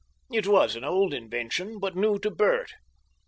It was an old invention, but new to Bert.